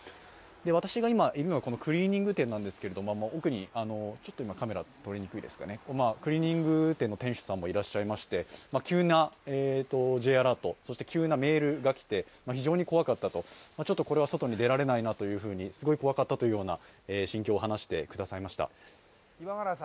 私が今いるのはクリーニング店なんですけどクリーニング店の店主さんもいらっしゃいまして、急なＪアラート、そして急なメールがきて非常に怖かったとこれは外に出られないなと、外に出られないなと心境を話してくださいました。